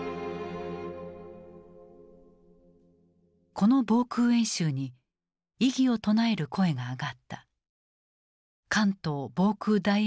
この防空演習に異議を唱える声が上がった。